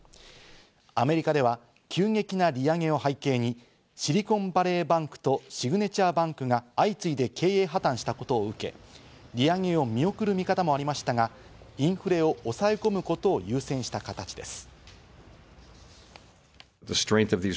アメリカでは急激な利上げを背景に、シリコンバレーバンクとシグネチャー・バンクが相次いで経営破綻したことを受け、利上げを見送る見方もありましたがインフレを抑え込むことを優先した形です。